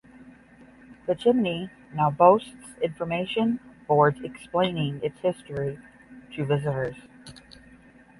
The chimney now boasts information boards explaining its history to visitors.